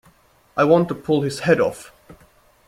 I want to pull his head off.